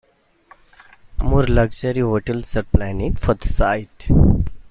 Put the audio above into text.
More luxury hotels are planned for the site.